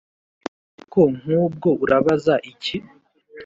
ariko nk’ ubwo urabaza iki?